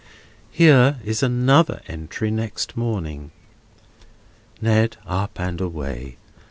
"Here is another entry next morning: "'Ned up and away.